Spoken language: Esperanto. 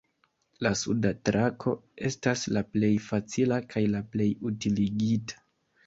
La suda trako estas la plej facila kaj la plej utiligita.